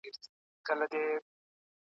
د ذهني ښکېلاک ضد عمل